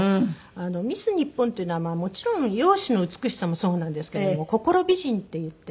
ミス日本っていうのはもちろん容姿の美しさもそうなんですけども心美人っていってね。